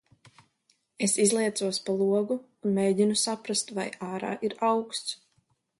Es izliecos pa logu, un mēģinu saprast, vai ārā ir auksts.